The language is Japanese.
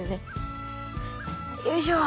よいしょ！